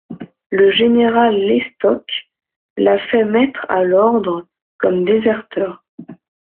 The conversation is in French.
Le général Lestocq l'a fait mettre à l'ordre comme déserteur.